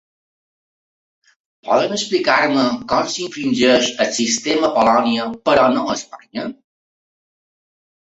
Poden explicar-me com s’infringeix el sistema a Polònia però no a Espanya?